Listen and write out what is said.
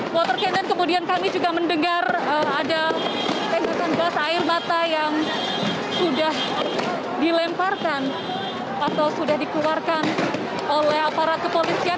water cannon kemudian kami juga mendengar ada tengusan gas air mata yang sudah dilemparkan atau sudah dikeluarkan oleh aparat kepolisian